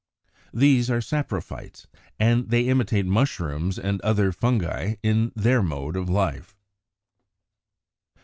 These are SAPROPHYTES, and they imitate Mushrooms and other Fungi in their mode of life.